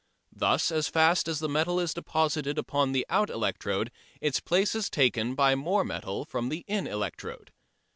Thus as fast as the metal is deposited upon the out electrode its place is taken by more metal from the in electrode.